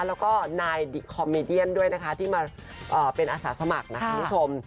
แล้วก็นายคอมมิเดียนด้วยนะคะที่มาเป็นอาสาสมัครนะคุณผู้ชม